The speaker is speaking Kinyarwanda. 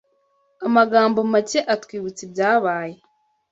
Amagambo make atwibutsa ibyabaye